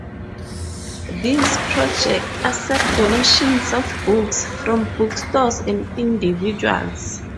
These projects accept donations of books from bookstores and individuals.